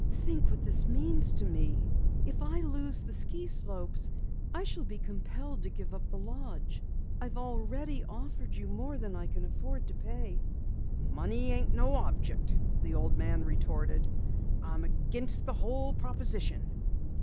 "Think what this means to me! If I lose the ski slopes I shall be compelled to give up the lodge. I've already offered you more than I can afford to pay." "Money ain't no object," the old man retorted. "I'm against the whole proposition."